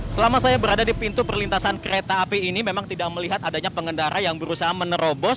selama saya berada di pintu perlintasan kereta api ini memang tidak melihat adanya pengendara yang berusaha menerobos